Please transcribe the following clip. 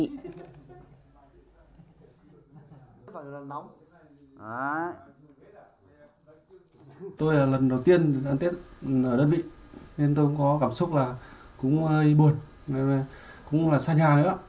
tôi là lần đầu tiên đón tết ở đơn vị nên tôi cũng có cảm xúc là cũng hơi buồn cũng là xa nhà nữa